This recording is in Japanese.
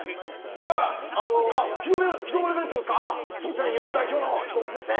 じゃああの日の丸弁当ですか！